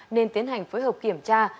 nên tiến hành phối hợp kiểm tra